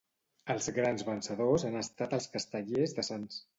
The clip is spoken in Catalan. Els grans vencedors han estat els Castellers de Sants.